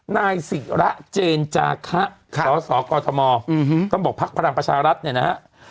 นายศรีระเจนจาคะค่ะสสกทมอื้อฮือต้องบอกภักดาลประชารัฐเนี่ยนะ